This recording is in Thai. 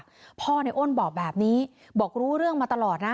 พ่อในอ้นบอกแบบนี้บอกรู้เรื่องมาตลอดนะ